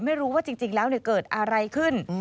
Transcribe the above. ไม่รู้ว่าจริงแล้วเกิดอะไรขึ้น